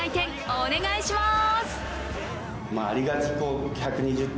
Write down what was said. お願いします！